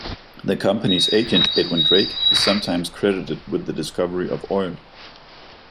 The company's agent, Edwin Drake, is sometimes credited with the "discovery" of oil.